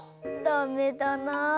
ダメだな。